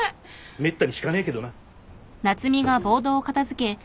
めったにひかねえけどな。